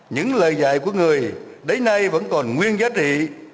những lời dạy của người đến nay vẫn còn nguyên giá trị